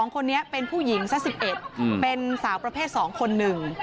คนนี้เป็นผู้หญิงสัก๑๑เป็นสาวประเภท๒คนหนึ่ง